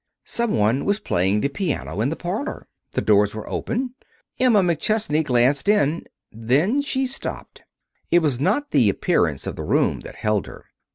Some one was playing the piano in the parlor. The doors were open. Emma McChesney glanced in. Then she stopped. It was not the appearance of the room that held her.